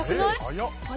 早っ！